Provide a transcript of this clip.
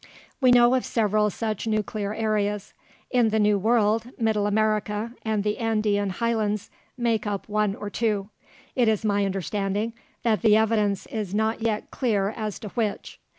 We know of several such nuclear areas. In the New World, Middle America and the Andean highlands make up one or two; it is my understanding that the evidence is not yet clear as to which.